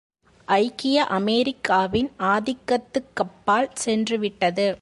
ஐக்கிய அமெரிக்காவின் ஆதிக்கத்துக்கப்பால் சென்றுவிட்டது.